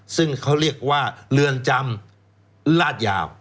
ซึ่งเขาเรียกว่าเรือนจำลาดยาว